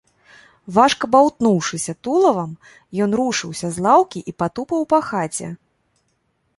Важка баўтнуўшыся тулавам, ён рушыўся з лаўкі і патупаў па хаце.